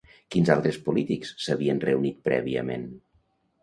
Quins altres polítics s'havien reunit prèviament?